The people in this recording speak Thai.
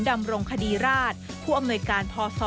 ดำรงคดีราชผู้อำนวยการพศ